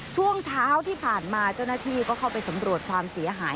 ช่วงเช้าที่ผ่านมาเจ้าหน้าที่ก็เข้าไปสำรวจความเสียหาย